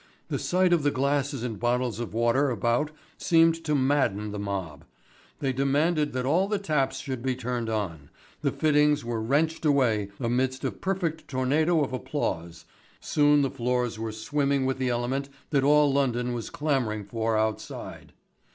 The sight of the glasses and bottles of water about seemed to madden the mob. They demanded that all the taps should be turned on, the fittings were wrenched away amidst a perfect tornado of applause, soon the floors were swimming with the element that all London was clamouring for outside.